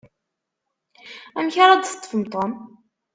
Amek ara d-teṭṭfem Tom?